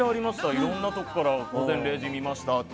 いろんなところから「午前０時」を見ましたって。